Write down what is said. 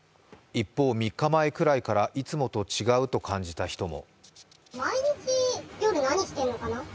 一方、３日くらい前からいつもと違うと感じた人も。